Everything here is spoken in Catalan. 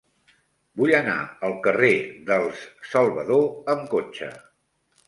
Vull anar al carrer dels Salvador amb cotxe.